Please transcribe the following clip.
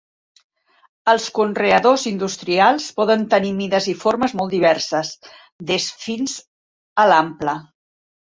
Els conreadors industrials poden tenir mides i formes molt diverses, des fins a l'ample.